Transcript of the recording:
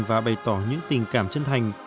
và bày tỏ những tình cảm chân thành